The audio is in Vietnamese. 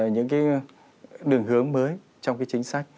những cái đường hướng mới trong cái chính sách